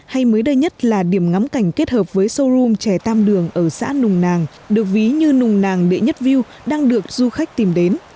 hay mới đây nhất là điểm ngắm cảnh kết hợp với showroom chè tam đường ở xã nùng nàng được ví như nùng nàng đệ nhất viêu đang được du khách tìm đến